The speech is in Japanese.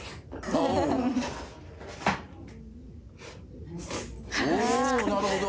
おなるほど。